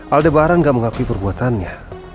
aldebaran gak mengakui perbuatannya